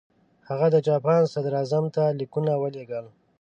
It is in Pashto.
هغه د جاپان صدراعظم ته لیکونه ولېږل.